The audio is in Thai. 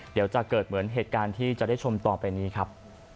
เดี๋ยวจะเกิดเหมือนเหตุการณ์ที่จะได้ชมต่อไปนี้ครับ